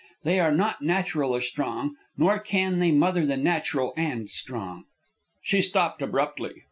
They are not natural or strong; nor can they mother the natural and strong." She stopped abruptly.